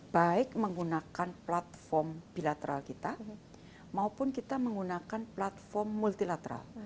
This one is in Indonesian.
baik menggunakan platform bilateral kita maupun kita menggunakan platform multilateral